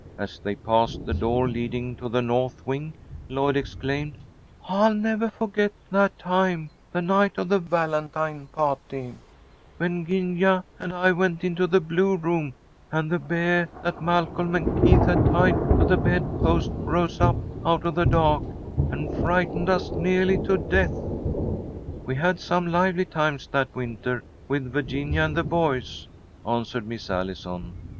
As they passed the door leading to the north wing, Lloyd exclaimed: "I'll nevah forget that time, the night of the Valentine pah'ty, when Gingah and I went into the blue room, and the beah that Malcolm and Keith had tied to the bed post rose up out of the dah'k and frightened us neahly to death." "We had some lively times that winter with Virginia and the boys," answered Miss Allison.